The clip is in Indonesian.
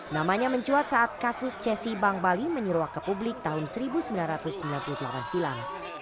namanya mencuat saat kasus cesi bank bali menyeruak ke publik tahun seribu sembilan ratus sembilan puluh delapan silam